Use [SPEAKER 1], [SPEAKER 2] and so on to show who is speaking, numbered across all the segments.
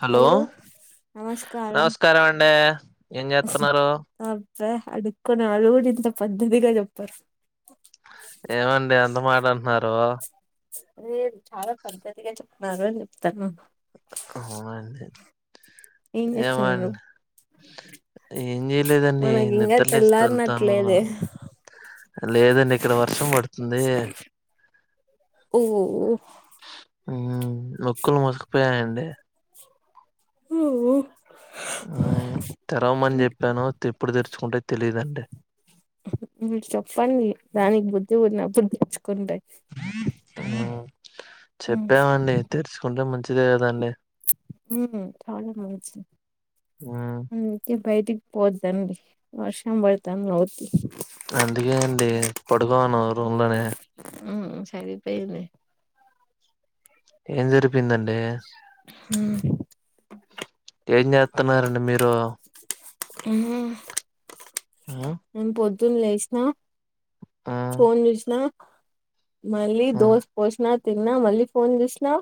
[SPEAKER 1] Hello నమస్కారం అండే
[SPEAKER 2] అబ్బా అడుక్కునే వాళ్ళు కూడ ఇంత పద్ధతిగా చెప్పరు
[SPEAKER 1] ఏమండి అంత మాట అంటన్నారు
[SPEAKER 2] లేదు చాలా పద్ధతిగా చెప్తున్నారు అని [unintelligible]
[SPEAKER 1] అవునండి
[SPEAKER 2] ఏం చేస్తున్నారు
[SPEAKER 1] ఏమండి ఏం చేయలేదండి
[SPEAKER 2] మనకి ఇంకా
[SPEAKER 1] నిద్రలేసి తొళ్తానాను
[SPEAKER 2] తెల్లారినట్లేదే
[SPEAKER 1] లేదండి ఇక్కడ వర్షం పడుతుంది
[SPEAKER 2] ఓ
[SPEAKER 1] మొక్కలు మోసుకుపోయాయండి
[SPEAKER 2] ఉ
[SPEAKER 1] తెరవమని చెప్పాను ఎప్పుడు తెరుచుకుంటయో తెలియదండి
[SPEAKER 2] మీరు చెప్పండి దానికి బుద్ధి పుట్టినప్పుడు తెరుచ్చుకుంటాయ్
[SPEAKER 1] చెప్పామండి తెరుచుకుంటే మంచిదే కదండి
[SPEAKER 2] [unintelligible]
[SPEAKER 1] మ్మ్
[SPEAKER 2] తీ బయిటికి పోవదండి వర్షం బడతంది కాబట్టి
[SPEAKER 1] అందుకే అండి పడుకోనున్నాను రూమ్ లోనే
[SPEAKER 2] హ్మ్ సరిపోయింది
[SPEAKER 1] ఏం సరిపోయిందండి
[SPEAKER 2] ఉ
[SPEAKER 1] ఏం చేత్తన్నారండి మీరు
[SPEAKER 2] ఉహు
[SPEAKER 1] మ్మ్
[SPEAKER 2] నేను పొద్దున్న లేసిన
[SPEAKER 1] మ్మ్
[SPEAKER 2] ఫోన్ చూసినా మళ్ళీ
[SPEAKER 1] మ్మ్
[SPEAKER 2] దోస పోసినా తిన్నా మళ్ళీ ఫోన్ చూసినా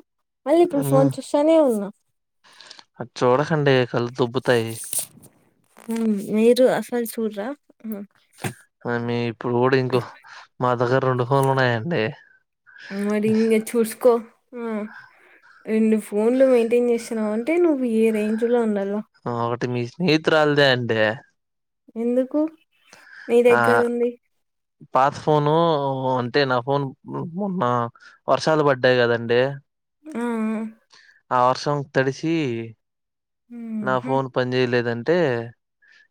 [SPEAKER 2] మళ్ళీ ఇప్పుడు
[SPEAKER 1] మ్మ్
[SPEAKER 2] ఫోన్ చూస్తానే ఉన్నా
[SPEAKER 1] అది చూడకండి కళ్ళు దొబ్బుతయ్
[SPEAKER 2] మీరు అస్సలు చూడరా
[SPEAKER 1] నేన్ ఇప్పుడు కూడా ఇంకో మా దగ్గర రెండు ఫోన్లు ఉన్నాయండి
[SPEAKER 2] మరి ఇంగే చూస్కో ఆ రెండు ఫోన్లు మెయింటెన్ చేస్తున్నవు అంటే నువ్వు ఏ రేంజ్ లో ఉండాలో
[SPEAKER 1] ఒకటి మీ స్నేహితురాల్దే అండి
[SPEAKER 2] ఎందుకు నీ దగ్గర
[SPEAKER 1] ఆ
[SPEAKER 2] ఉంది
[SPEAKER 1] పాత ఫోను అంటే నా ఫోన్ మొన్న వర్షాలు పడ్డాయి కదండి
[SPEAKER 2] ఆఆ
[SPEAKER 1] ఆ వర్షం తడిసి నా ఫోన్ పనిచెయలేదంటే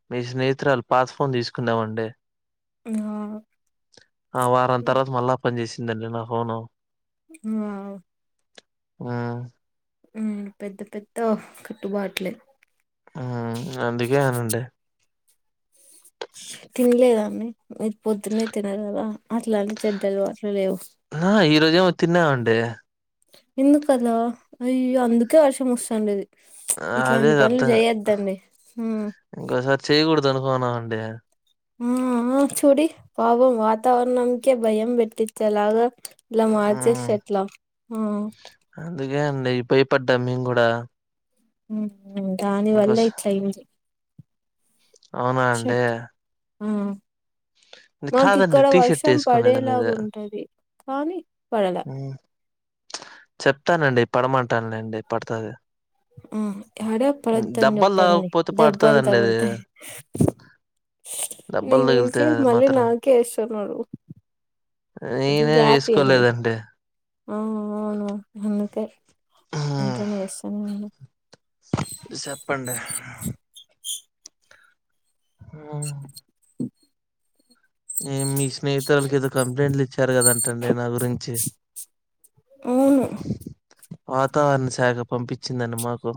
[SPEAKER 1] మీ స్నేహితురాలు పాత ఫోన్ తీసుకుందామండి ఆఁ వారం తర్వాత మళ్ళా ఆ పని చేసిందండి నా ఫోను
[SPEAKER 2] మ్మ్
[SPEAKER 1] మ్మ్ఁ
[SPEAKER 2] పెద్ద పెద్ద కట్టుబాట్లే
[SPEAKER 1] మ్మ్ అందుకే అనుండే
[SPEAKER 2] తినలేదా అండి? మీరు పొద్దున్నే తినరు కదా! అట్లాంటి చెడ్డ అలవాట్లు లేవు.
[SPEAKER 1] నాఁ ఈ రోజేమో తిన్నామండి
[SPEAKER 2] ఎందుకలా అయ్యో అందుకే వర్షం వస్తా వుండేది. ప్చ్
[SPEAKER 1] అదే
[SPEAKER 2] ఇట్లాంటి పనులు
[SPEAKER 1] అర్థం
[SPEAKER 2] చేయొద్దండి మ్మ్
[SPEAKER 1] ఇంకోసారి చేయ్యకూడదు అనుకున్నామండి.
[SPEAKER 2] మ్మ్ మూ చూడి పాపం వాతవరణంకే భయం పెట్టిచ్చేలాగా ఇలా మార్చేస్తే
[SPEAKER 1] మ్మ్
[SPEAKER 2] ఎట్ల మ్మ్
[SPEAKER 1] అందుకే అండి భయపడ్డం మేము గూడా!
[SPEAKER 2] మ్మ్ఁ దాని వల్ల ఇట్ల అయింది
[SPEAKER 1] అవునా అండి
[SPEAKER 2] మ్మ్ఁ
[SPEAKER 1] ఇది
[SPEAKER 2] మాకు
[SPEAKER 1] కాదండి
[SPEAKER 2] ఇక్కడ
[SPEAKER 1] టీ షర్ట్
[SPEAKER 2] వర్షం
[SPEAKER 1] వేసుకునేది
[SPEAKER 2] పడేలాగా
[SPEAKER 1] అనేది
[SPEAKER 2] ఉంటది. కానీ పడలా
[SPEAKER 1] మ్ ప్చ్ చెప్తానండి పడమంటాను లేండి పడుతది అదే
[SPEAKER 2] ఆ ఏడ పడొద్దని
[SPEAKER 1] దెబ్బలు
[SPEAKER 2] చెప్పండి
[SPEAKER 1] తాగకపోతే
[SPEAKER 2] దెబ్బలు
[SPEAKER 1] పడతదండి అది
[SPEAKER 2] తగులుతయి.
[SPEAKER 1] దెబ్బలు
[SPEAKER 2] నేను
[SPEAKER 1] తగిలితే
[SPEAKER 2] ఏసేది
[SPEAKER 1] అది
[SPEAKER 2] మళ్ళీ
[SPEAKER 1] మాత్రం
[SPEAKER 2] నాకే ఏస్తున్నాడు కొద్దిం
[SPEAKER 1] నేనే
[SPEAKER 2] గ్యాపియ్యండి.
[SPEAKER 1] వేసుకోలేదండి
[SPEAKER 2] ఆఁ అవును అందుకే ఎంటనే ఏస్తము మేము
[SPEAKER 1] సెప్పండి హ్మ్ఁ ఏం మీ స్నేహితురాలుకి ఏదో కంప్లైంట్లు ఇచ్చారు కదంటండి నా గురించి!
[SPEAKER 2] అవును
[SPEAKER 1] వాతావరణ శాఖ పంపించిందండి మాకు.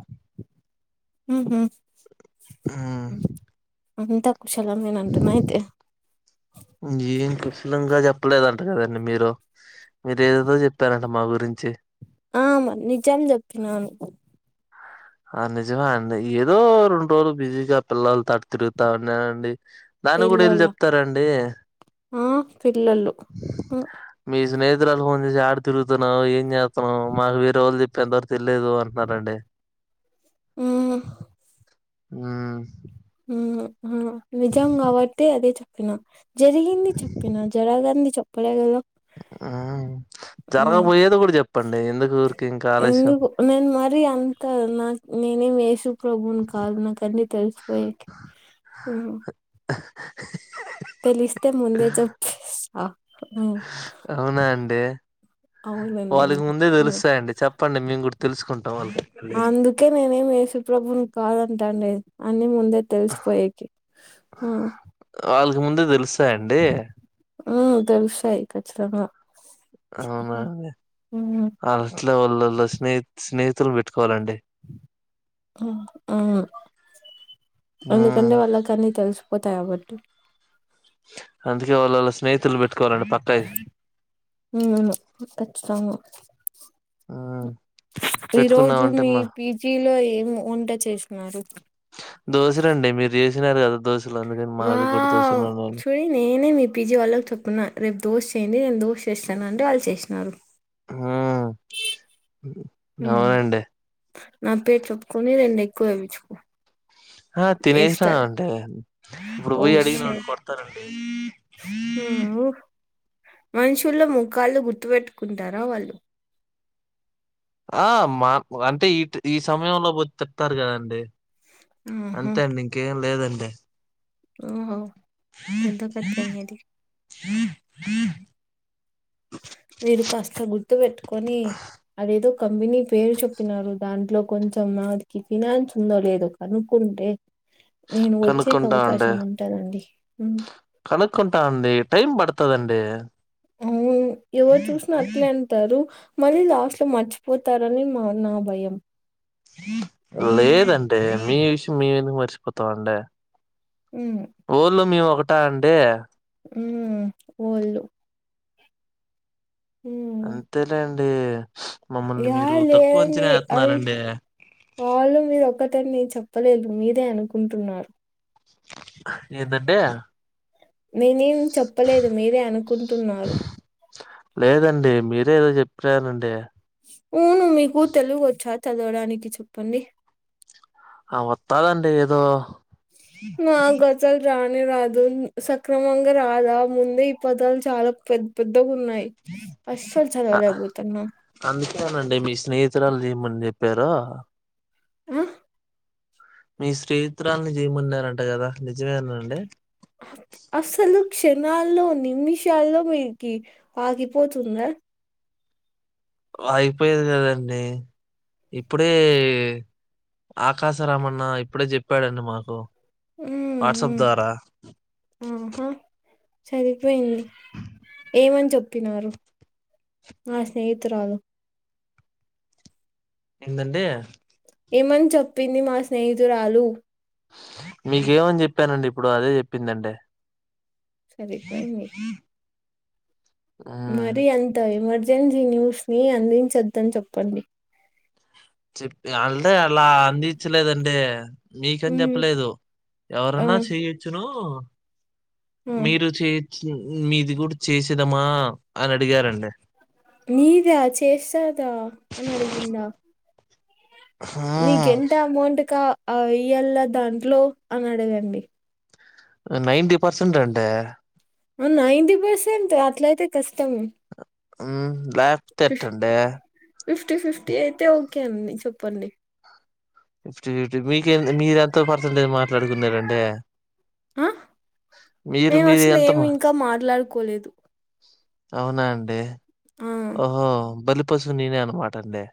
[SPEAKER 2] మ్మ్ఁ హుఁ
[SPEAKER 1] మ్మ్
[SPEAKER 2] అంతా కుషలమేనంటనా అయితే?
[SPEAKER 1] ఏం కుశలంగా జెప్పలేదంట కదండి మీరు! మీరు ఏదేదో చెప్పారంట మా గురించి.
[SPEAKER 2] ఆఁ మ నిజం చెప్తున్నాను
[SPEAKER 1] ఆఁ నిజమా అండి ఏదో రెండు రోజులు బిజీగా పిల్లలతో అట్ట తిరుగుతా ఉన్నానండి. దానికి కూడా ఎల్లి
[SPEAKER 2] పిల్లల
[SPEAKER 1] చెప్తారా అండి.
[SPEAKER 2] ఆ పిల్లలు ఉ
[SPEAKER 1] మీ స్నేహితురాలు ఫోన్ చేసి ఏడ తిరుగుతున్నావు, ఏం చేస్తున్నవు, మాకు వేరే వాళ్ళు చెప్పేంతవరకు తెల్లేదు అంటున్నారండి.
[SPEAKER 2] హ్మ్ఁ
[SPEAKER 1] మ్మ్ఁ
[SPEAKER 2] హ్మ్ఁ మ్మ్ఁ నిజం కాబట్టి అదే చె ప్పిన జరిగింది చెప్పిన, జరగంది చెప్పలేదుగా!
[SPEAKER 1] మ్మ్ఁ జరగబోయ్యేది కూడ చెప్పండి ఎందుకు ఊరికే ఇంకా ఆలస్యం.
[SPEAKER 2] ఎందుకు నేను మరీ అంత నా నేనేం యేసు ప్రభును కాదు నాకు అన్నీ తెలుసు పొయేక్ హ్మ్ఁ తెలిస్తే ముందే చెప్పేస్
[SPEAKER 1] అవునా అండి
[SPEAKER 2] అవునండి
[SPEAKER 1] వాళ్ళకి
[SPEAKER 2] మరి
[SPEAKER 1] ముందే
[SPEAKER 2] ఉమ్.
[SPEAKER 1] దెలుసాయండి చెప్పండి మేం గూడా తెల్సుకుంటాం అండి
[SPEAKER 2] కే మేమేం ఏసుప్రభువుని కాదంటాండి అన్నీ ముందే తెల్సిపోయేకి ఆ
[SPEAKER 1] వాళ్ళకి ముందే తెల్సయండి
[SPEAKER 2] ఉ తెలుసాయి కచ్చితం గా
[SPEAKER 1] అవునాండి
[SPEAKER 2] అవును
[SPEAKER 1] ఆ ఇట్లో వల్లోల స్నేహి స్నేహితులు పెట్టుకోలండి
[SPEAKER 2] ఆ
[SPEAKER 1] మ్మ్
[SPEAKER 2] అందుకనే వాళ్ళకి అన్ని తెల్సిపోతాయి కాబట్టి
[SPEAKER 1] అందుకే వాళ్ళళ స్నేహితులు పెట్టుకోలండి పక్క
[SPEAKER 2] ఉ కచ్చితంగా
[SPEAKER 1] మ్మ్
[SPEAKER 2] ఈ రోజు
[SPEAKER 1] పెట్టుకున్నామంటే
[SPEAKER 2] మీ
[SPEAKER 1] మా
[SPEAKER 2] పీజీలో ఏమి వంట చేసినారు
[SPEAKER 1] దోశలండి మీరు జేసినారు గదా దోశలు అందుకని మాది గుడ
[SPEAKER 2] వావ్
[SPEAKER 1] దోశలు ఉన్నాయ
[SPEAKER 2] చూడి నేనే మీ పీజీ వాళ్ళకి చెప్పున్నా రేపు దోష్ చేయండి నేను దోష్ శేషను అంటే అల్ చేష్నారు
[SPEAKER 1] ఆ
[SPEAKER 2] హ్మ్
[SPEAKER 1] అవునండి
[SPEAKER 2] నా పేరు చెప్పుకొని రెండు ఎక్కువ వేపిచ్చుకో
[SPEAKER 1] హ తినేసినా అంటే ఇప్పుడు
[SPEAKER 2] ఓ
[SPEAKER 1] బో యి అడిగిననుకో
[SPEAKER 2] షట్
[SPEAKER 1] కొడ్తారండి
[SPEAKER 2] హ్మ్ మనుషుల్లో ముఖాళ్లు గుర్తు బెట్టుకుంటారా వాళ్ళు
[SPEAKER 1] ఆ మా అంటే ఈ ఈ సమయంలో బోత్ తిడ్తారు కదండి
[SPEAKER 2] ఆహా!
[SPEAKER 1] అంతే అండి ఇంకేంలేదండి
[SPEAKER 2] ఓహో! పెద్ద కథే మీది. మీరు కాస్త గుర్తు వేట్టుకొనీ అదేదో కంపెనీ పేరు చెప్పినారు దాంట్లో కొంచం మాదికి ఫినాన్స్ ఉందో లేదో కనుక్కుంటే నేను వచ్చేక
[SPEAKER 1] కనుక్కుంటామండి
[SPEAKER 2] అవకాశం ఉంటానండి
[SPEAKER 1] కనుక్కుంటా అండి టైం బాడ్తదండీ
[SPEAKER 2] అవు ఎవర్ చూస్నారు ఎట్లా అంటారు మళ్ళీ లాస్ట్ లో మర్చిపోతారని మా నా భయం
[SPEAKER 1] లేదంటే మీ విషయం మేమేందుకు మర్చిపోతామంటే
[SPEAKER 2] ఉ
[SPEAKER 1] ఓళ్ళు మేము ఒకటా అండి
[SPEAKER 2] ఉ ఓళ్ళు హ్మ్.
[SPEAKER 1] అంతేలేండీ మమ్మల్ని మీరు
[SPEAKER 2] యాహ్!
[SPEAKER 1] తక్వా
[SPEAKER 2] లేదండి.
[SPEAKER 1] అంచన
[SPEAKER 2] అయ్
[SPEAKER 1] ఏత్తున్నారండి
[SPEAKER 2] వాళ్ళు మీరు ఒక్కటన్ నేన్ చెప్పలేదు మీరే అనుకుంటున్నారు
[SPEAKER 1] ఏందండి
[SPEAKER 2] నేనేం చెప్పలేదు మీరే అనుకుంటున్నారు
[SPEAKER 1] లేదండి మీరే ఏదో చెప్నరండి
[SPEAKER 2] ఉ మీకు తెలుగు ఓచ్చా చదవడానికి చెప్పండి
[SPEAKER 1] ఆ వత్తాదండి ఏదో
[SPEAKER 2] నాక్ అసల్ రానే రాదు సక్రమంగా రాదా అ ముందే ఈ పదాలు చాలా పె పెద్దగున్నాయి అస్స ల్
[SPEAKER 1] అ
[SPEAKER 2] చదవలేపోతున్న
[SPEAKER 1] అందుకేనండి మీ స్నేహితురాలు దిమని జేప్పారు
[SPEAKER 2] ఉ
[SPEAKER 1] మీ స్నేహితురాల్ని దీయామన్నారట గదా నిజమేనండి
[SPEAKER 2] అస్సా లు క్షణాల్లో నిమిషాల్లో మీకి ఆగిపోతుందా
[SPEAKER 1] అయిపోయేది కదండి ఇప్పుడే ఆకాశరామన్న ఇప్పుడే చెప్పాడండి మాకు వాట్సాప్ ద్వారా
[SPEAKER 2] ఊహూ సరిపోయింది ఏమని చెప్పినారు నా స్నేహితురాలు
[SPEAKER 1] ఏందండి
[SPEAKER 2] ఏమని చెప్పింది మా స్నేహితురాలు
[SPEAKER 1] మీకేమని చెప్పానండి ఇప్పుడు అదే చెప్పిందండి
[SPEAKER 2] సరిపోయింది
[SPEAKER 1] హ్మ్
[SPEAKER 2] మరి అంత ఎమర్జెన్సీ న్యూస్ ని అందించొద్దని చెప్పండి
[SPEAKER 1] చెప్పి అంటే అలా అందించలేదండి మీకని
[SPEAKER 2] హ్మ్.
[SPEAKER 1] చెప్పలేదు
[SPEAKER 2] ఆ!
[SPEAKER 1] ఎవరన్నా చేయొచ్చును
[SPEAKER 2] ఆ!
[SPEAKER 1] మీరు చేయొచ్చు మీది కూడా చేసేదమా అని అడిగారండి
[SPEAKER 2] నీదా చేస్తదా అని అడిగిందా నీకు ఎంత అమౌంట్ క వెయ్యలా దాంట్లో అని అడగండి
[SPEAKER 1] నైంటీ పర్సెంట్ అంటే
[SPEAKER 2] నైంటీ పర్సెంటా అట్లయితే కష్టం
[SPEAKER 1] లేపోతే ఎట్టండే
[SPEAKER 2] ఫిఫ్టీ ఫిఫ్టీ అయితే ఓకే అండి చెప్పండి
[SPEAKER 1] ఫిఫ్టీ ఫిఫ్టీ మీకె మీరెంత పర్సెంటేజ్ మాట్లాడుకున్నారండి మీరు
[SPEAKER 2] మేము
[SPEAKER 1] మీరు
[SPEAKER 2] అసలు
[SPEAKER 1] ఎంత
[SPEAKER 2] ఏమి
[SPEAKER 1] మా
[SPEAKER 2] ఇంకా మాట్లాడుకోలేదు
[SPEAKER 1] అవునా అండి
[SPEAKER 2] ఆ!
[SPEAKER 1] ఓహో బలిపశువు నేనే అనమాట అండి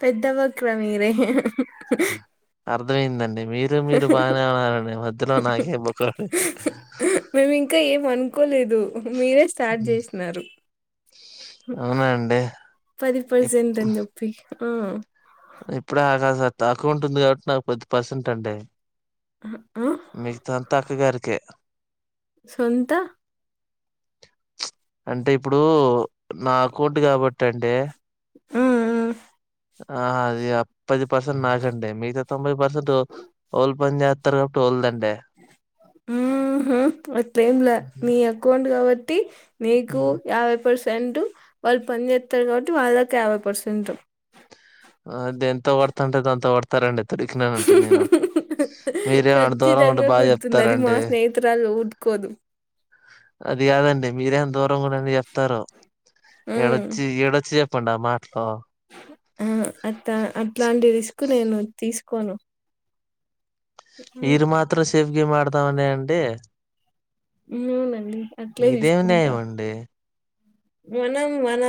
[SPEAKER 2] పెద్దబక్ర మీరే
[SPEAKER 1] అర్థమయిందండి మీరు మీరు బాగానే ఉన్నారండి మధ్యలో నాకే బొక్క
[SPEAKER 2] మేము ఇంకా ఏం అనుకోలేదు మీరే స్టార్ట్ చేసినారు
[SPEAKER 1] అవునా అండి
[SPEAKER 2] పది పర్సెంటు అని చెప్పి ఆ
[SPEAKER 1] ఇప్పుడేస అకౌంట్ ఉంది కాబట్టి నాకు పది పర్సెంట్ అండి
[SPEAKER 2] ఆ
[SPEAKER 1] మిగతా అంతా అక్కగారికే
[SPEAKER 2] సొంత
[SPEAKER 1] అంటే ఇప్పుడు నా అకౌంట్ కాబట్టి అంటే
[SPEAKER 2] హ్మ్ మ్మ్
[SPEAKER 1] ఆ అది ప్పది పర్సెంట్ నాకండి మిగతా తొంభై పర్సెంట్ ఓలు పనిచేస్తారు కాబట్టి టోల్దండే
[SPEAKER 2] ఊహు అట్లేమ్ లే నీ అక్కౌంట్ కాబట్టి నీకు
[SPEAKER 1] ఉమ్.
[SPEAKER 2] యాభై పర్సెంట్ వాళ్ళు పనిచేత్తరు కాబట్టి వాళ్ళకు యాభై పర్సెంట్
[SPEAKER 1] అది ఎంత పడుతంటే అంత పడతారండి దొరికినానంటే నేను మీరే ఆడ దూరం ఉంటే బాగా చెప్తారండి
[SPEAKER 2] [unintelligible] ఊదుకోదు
[SPEAKER 1] అది కాదండి మీరేందో దూరంగని చెప్తారు
[SPEAKER 2] ఉమ్
[SPEAKER 1] ఏడొచ్చి ఈడొచ్చి చెప్పండి ఆ మాటలు
[SPEAKER 2] ఆ అట్ అట్లాంటి రిస్క్ నేను తీసుకోను ఉమ్,
[SPEAKER 1] మీరు మాత్రం సేఫ్ గేమ్ ఆడతామనే అండి
[SPEAKER 2] అ అవునండి అట్లే
[SPEAKER 1] ఇదేమి
[SPEAKER 2] తీసుకుంటా
[SPEAKER 1] న్యాయం అండి
[SPEAKER 2] మనం మన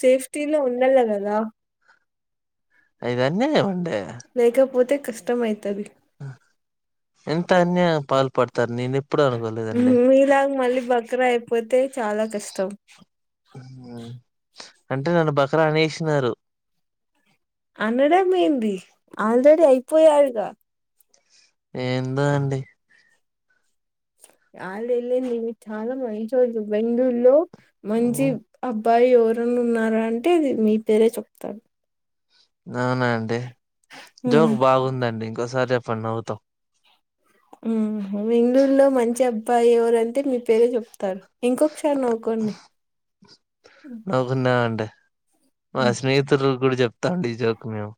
[SPEAKER 2] సేఫ్టీ లో ఉండాల కదా
[SPEAKER 1] అయిదన్నే ఉండే
[SPEAKER 2] లేకపోతే కష్టం అయితది
[SPEAKER 1] ఎంత అన్యయం పాల్ పడుతారు నేను ఎప్పుడు అనుకోలేదండి
[SPEAKER 2] మీలాగ మళ్ళీ బక్ర అయిపోతే చాలా కష్టం
[SPEAKER 1] మ్ హు అంటే నన్ను బక్రా అనేసినరు
[SPEAKER 2] అనడం ఏంది ఆల్రెడీ అయిపోయాడుగా
[SPEAKER 1] ఏందో అండి
[SPEAKER 2] వాళ్ళు వెళ్ళిందివి చాలా మంచి రోజు బెంగూరులో మంచి అబ్ బ్బాయి ఎవరన్నా ఉన్నారా అంటే ది మీ పేరే చెప్తరు
[SPEAKER 1] అవునా అండి
[SPEAKER 2] ఉమ్,
[SPEAKER 1] జోక్ బాగుందండి ఇంకోసారి చెప్పండి నవ్వుతాం
[SPEAKER 2] మ్ బెంగళూరులో మంచి అబ్బాయి ఎవరంటే మీ పేరే చెప్తరు ఇంకొకసారి నవ్వుకోండి ఉమ్,
[SPEAKER 1] నవుకున్నా అండి మా స్నేహితుల కూడా చెప్తాండి ఈ జోక్ మేము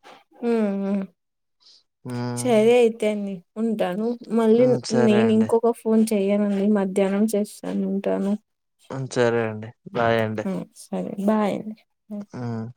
[SPEAKER 2] మ్ మ్ సరే అయితేండి ఉంటాను మళ్ళీ
[SPEAKER 1] సరే
[SPEAKER 2] నేను
[SPEAKER 1] అండి
[SPEAKER 2] ఇంకొక ఫోన్ చెయనండి మధ్యాహ్నం చేస్తాను ఉంటాను
[SPEAKER 1] హ సరే అండి బాయ్ అండి
[SPEAKER 2] ఆ, సరే బాయ్ అండి
[SPEAKER 1] మ్